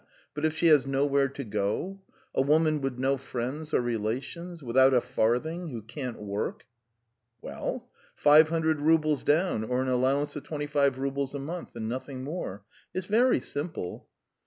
But if she has nowhere to go? A woman with no friends or relations, without a farthing, who can't work ..." "Well? Five hundred roubles down or an allowance of twenty five roubles a month and nothing more. It's very simple."